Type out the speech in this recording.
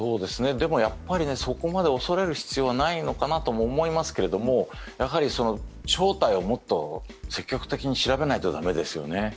でもやっぱりそこまで恐れる必要はないのかなと思いますけども正体をもっと積極的に調べないとだめですよね。